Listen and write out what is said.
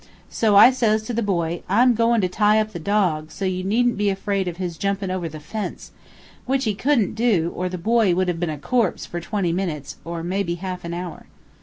So says I to the boy, 'I'm goin' to tie up the dog, so you needn't be afraid of his jumpin' over the fence,' which he couldn't do, or the boy would have been a corpse for twenty minutes, or may be half an hour.